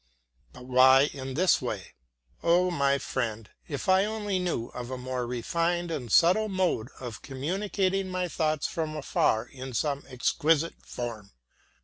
But why in this way? Oh, my friend, if I only knew of a more refined and subtle mode of communicating my thoughts from afar in some exquisite form!